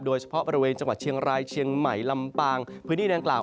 โดยเฉพาะบริเวณจังหวัดเชียงรายเชียงใหม่ลำปางพื้นที่ดังกล่าว